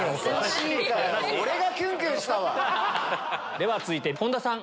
では続いて本田さん。